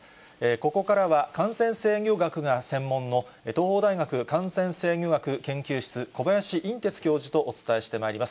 ここからは、感染制御学が専門の、東邦大学感染制御学研究室、小林寅てつ教授とお伝えしてまいります。